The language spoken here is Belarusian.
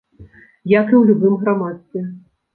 Як і ў любым грамадстве.